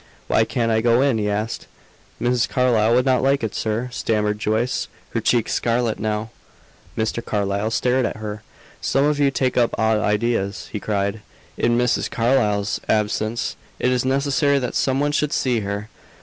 "Why can't I go in?" he asked. "Mrs. Carlyle would not like it, sir," stammered Joyce, her cheeks scarlet now. Mr. Carlyle stared at her. "Some of you take up odd ideas," he cried. "In Mrs. Carlyle's absence, it is necessary that some one should see her!